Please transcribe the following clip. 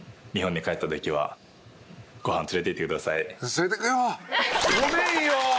「連れてくよ」ごめんよ。